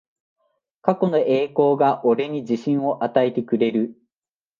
過去の栄光が俺に自信を与えてくれる